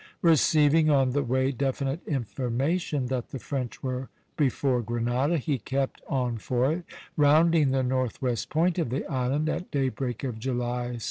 Receiving on the way definite information that the French were before Grenada, he kept on for it, rounding the northwest point of the island at daybreak of July 6.